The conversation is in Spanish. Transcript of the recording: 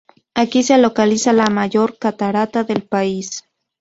Aquí se localiza la mayor catarata del país.